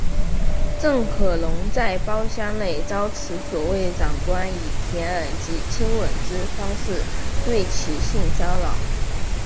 郑可荣在包厢内遭此所谓长官以舔耳及亲吻之方式对其性骚扰。